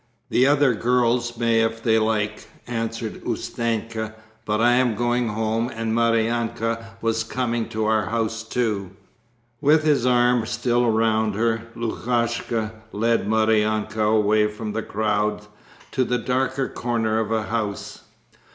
"The other girls may if they like," answered Ustenka, "but I am going home and Maryanka was coming to our house too." With his arm still round her, Lukashka led Maryanka away from the crowd to the darker corner of a house.